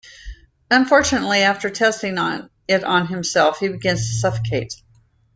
Unfortunately, after testing it on himself, he begins to suffocate.